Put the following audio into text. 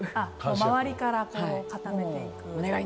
周りから固めていく。